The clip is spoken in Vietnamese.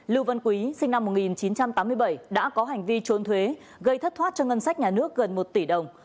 lưu văn quý sinh năm một nghìn chín trăm tám mươi bảy đã có hành vi trốn thuế gây thất thoát cho ngân sách nhà nước gần một tỷ đồng